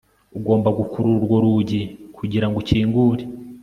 Ugomba gukurura urwo rugi kugirango ukingure